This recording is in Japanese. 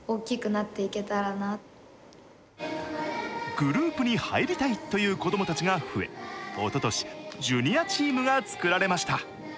グループに入りたいという子どもたちが増え、おととし、ジュニアチームが作られました。